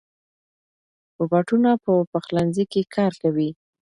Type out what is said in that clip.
روباټونه په پخلنځي کې کار کوي.